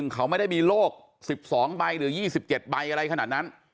เขาไม่ได้มีโลก๑๒ใบหรือ๒๗ใบอะไรขนาดนั้น